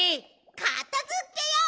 かたづけよう！